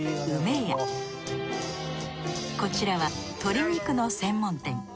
こちらは鶏肉の専門店。